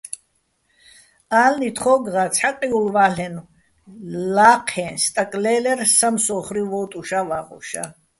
ა́ლნი თხო́გღა ცჰ̦ა ყიოლვა́ლ'ენო̆ ლაჴეჼ სტაკ ლე́ლერ სამსო́ხრე ვოტუშა́, ვაღოშა́.